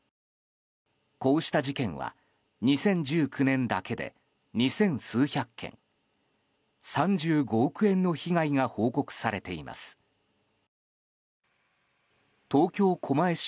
こうした事件は２０１９年だけで二千数百件３５億円の被害が報告されています。